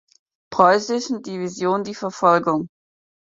Preußischen Division die Verfolgung.